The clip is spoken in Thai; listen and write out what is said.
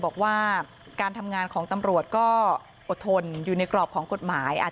บอกว่าการทำงานของตำรวจก็อดทนอยู่ในกรอบของกฎหมาย